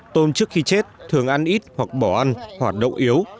tôm trước khi chết thường ăn ít hoặc bỏ ăn hoặc động yếu